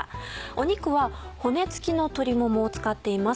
肉は骨つきの鶏ももを使っています。